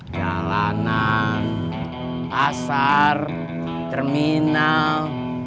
jalanan pasar terminal